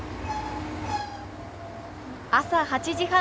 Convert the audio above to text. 朝８時半